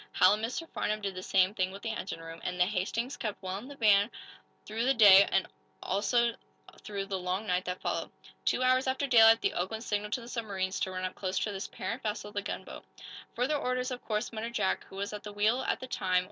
Hal and Mr. Farnum did the same thing with the engine room, and the "Hastings" kept well in the van through the day, and also through the long night that followed. Two hours after daylight the "Oakland" signaled to the submarines to run up close to this "parent vessel," the gunboat. "Further orders, of course," muttered Jack, who was at the wheel at the time.